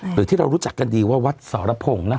หรือที่เรารู้จักกันดีว่าวัดสรพงศ์นะ